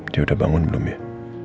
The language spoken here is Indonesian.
dia udah bangun belum ya